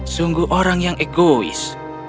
sungguh orang yang egois